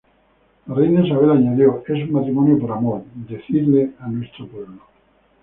La reina Isabel añadió: "Es un matrimonio por amor...decidle a nuestro pueblo.